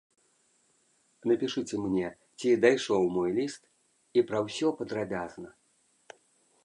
Напішыце мне, ці дайшоў мой ліст, і пра ўсё падрабязна.